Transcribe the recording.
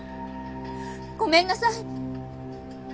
ごめんなさい！